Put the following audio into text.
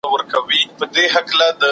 د حکومت مطالبه باید د خلګو د وس مطابق وي.